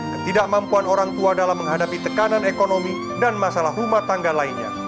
ketidakmampuan orang tua dalam menghadapi tekanan ekonomi dan masalah rumah tangga lainnya